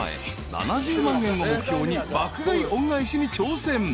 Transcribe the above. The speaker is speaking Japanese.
７０万円を目標に爆買い恩返しに挑戦］